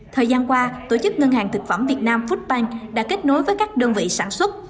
thời gian qua tổ chức ngân hàng thực phẩm việt nam foodbank đã kết nối với các đơn vị sản xuất